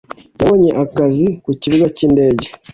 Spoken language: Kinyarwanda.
Yabonye akazi ku kibuga cy’indege